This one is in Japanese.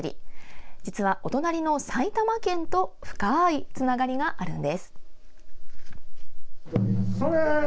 実は、お隣の埼玉県と深いつながりがあるんです。